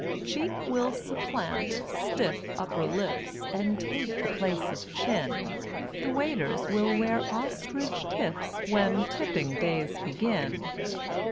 Cheek will supplant Stiff Upper Lips And take the place of Chin; The waiters will wear ostrich tips When tipping days begin.